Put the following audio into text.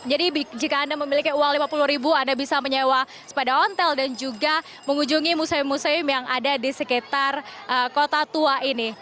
jika anda memiliki uang lima puluh ribu anda bisa menyewa sepeda ontel dan juga mengunjungi museum museum yang ada di sekitar kota tua ini